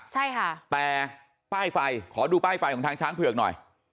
ใช่ค่ะแต่ป้ายไฟขอดูป้ายไฟของทางช้างเผือกหน่อย